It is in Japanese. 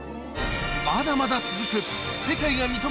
まだまだ続く